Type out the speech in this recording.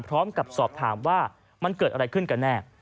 พร้อมกับสอบถามว่ามันเกิดอะไรขึ้นกันแน่